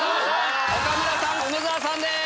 岡村さん梅沢さんです！